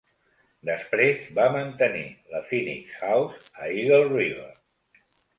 Després va mantenir la Phoenix House a Eagle River.